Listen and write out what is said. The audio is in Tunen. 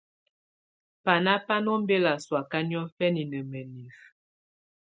Bana bà nɔ̀ ɔmbela sɔ̀́áka niɔ̀fɛna nà mǝnifǝ.